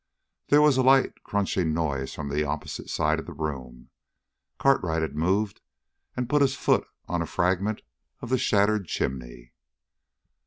There was a light crunching noise from the opposite side of the room. Cartwright had moved and put his foot on a fragment of the shattered chimney.